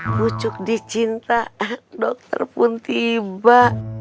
pucuk dicinta dokter pun tiba